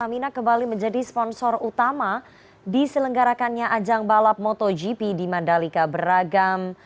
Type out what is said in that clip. pertamina kembali menjadi sponsor utama di selenggarakannya ajang balap motogp di mandalika beragam